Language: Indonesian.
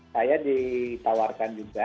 saya ditawarkan juga